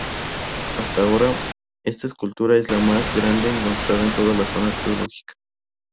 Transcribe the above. Hasta ahora, esta escultura es la más grande encontrada en toda la zona arqueológica.